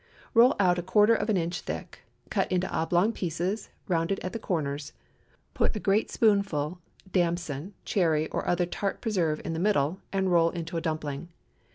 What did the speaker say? Roll out a quarter of an inch thick, cut into oblong pieces, rounded at the corners; put a great spoonful damson, cherry, or other tart preserve in the middle and roll into a dumpling.